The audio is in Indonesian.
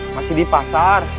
masih di pasar